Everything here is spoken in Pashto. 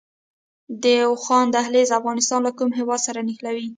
د واخان دهلیز افغانستان له کوم هیواد سره نښلوي؟